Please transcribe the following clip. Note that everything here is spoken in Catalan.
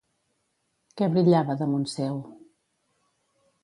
Què brillava damunt seu?